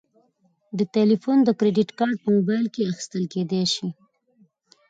د تلیفون د کریدت کارت په موبایل کې اخیستل کیدی شي.